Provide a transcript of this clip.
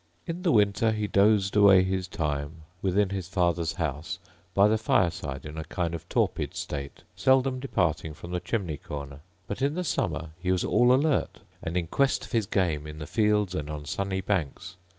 In the winter he dosed away his time, within his father's house, by the fireside, in a kind of torpid state, seldom departing from the chimney corner; but in the summer he was all alert, and in quest of his game in the fields, and on sunny banks.